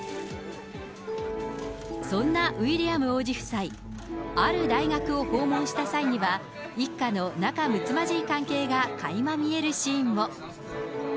そんなウィリアム王子夫妻、ある大学を訪問した際には、一家の仲むつまじい関係がかいま見えるシーンも。